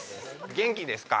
元気ですか？